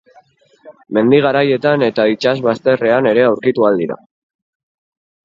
Mendi garaietan eta itsas bazterretan ere aurkitu ahal dira.